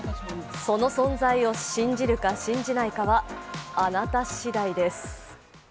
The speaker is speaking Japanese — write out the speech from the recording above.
その存在を信じるか、信じないかはあなた次第です。